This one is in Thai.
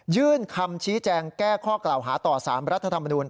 คำชี้แจงแก้ข้อกล่าวหาต่อ๓รัฐธรรมนูล